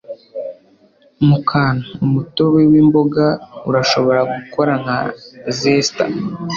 Mu kantu, umutobe wimboga urashobora gukora nka zester.